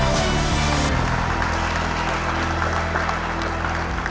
สวัสดีครับ